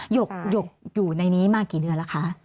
หยกอยู่ในนี้มากี่เดือนแล้วคะ